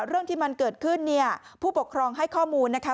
เรื่องที่มันเกิดขึ้นเนี่ยผู้ปกครองให้ข้อมูลนะคะ